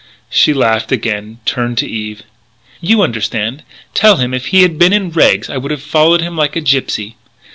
She laughed again, turned to Eve: "You understand. Tell him that if he had been in rags I would have followed him like a gypsy....